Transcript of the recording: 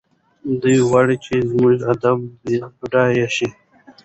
دی غواړي چې زموږ ادب بډایه شي.